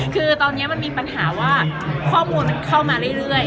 คือตอนนี้มันมีปัญหาว่าข้อมูลมันเข้ามาเรื่อย